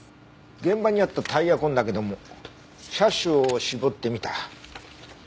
現場にあったタイヤ痕だけども車種を絞ってみた。